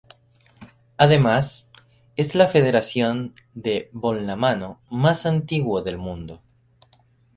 Además, es la federación de balonmano más antiguo del mundo.